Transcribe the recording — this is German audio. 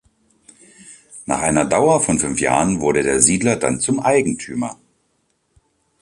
Nach einer Dauer von fünf Jahren wurde der Siedler dann zum Eigentümer.